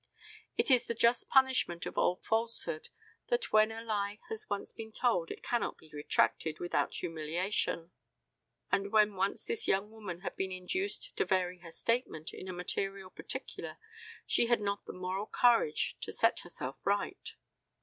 It is the just punishment of all falsehood that when a lie has once been told it cannot be retracted without humiliation, and when once this young woman had been induced to vary her statement in a material particular she had not the moral courage to set herself right.